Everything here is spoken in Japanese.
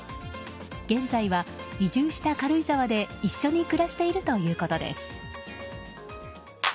現在は、移住した軽井沢で一緒に暮らしているということです。